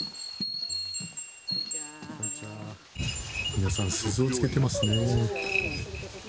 皆さん、鈴をつけてますね。